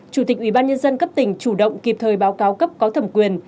chủ tịch ubnd cấp tỉnh chủ động kịp thời báo cáo cấp có thẩm quyền